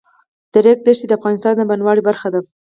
د ریګ دښتې د افغانستان د بڼوالۍ برخه ده.